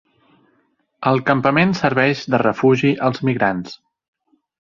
El campament serveix de refugi als migrants.